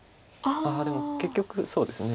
でも結局そうですね。